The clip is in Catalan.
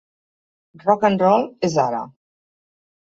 Rock'n'roll és ara.